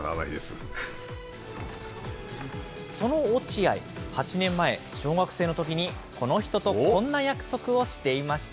その落合、８年前、小学生のときにこの人とこんな約束をしていました。